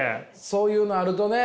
そういうのあるとね